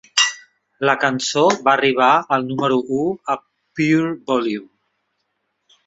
La cançó va arribar al número u a Pure Volume.